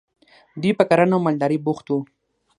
دوی په کرنه او مالدارۍ بوخت وو.